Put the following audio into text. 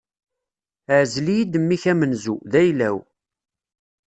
Ɛzel-iyi-d mmi-k amenzu, d ayla-w.